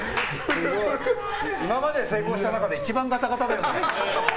今まで成功した中で一番ガタガタだった。